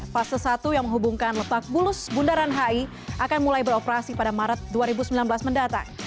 fase satu yang menghubungkan letak bulus bundaran hi akan mulai beroperasi pada maret dua ribu sembilan belas mendatang